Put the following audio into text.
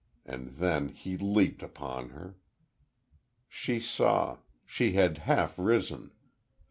And then he leaped upon her. She saw; she had half risen....